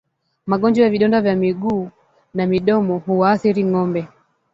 Magonjwa ya vidonda vya miguu na midomo huwaathiri ngombe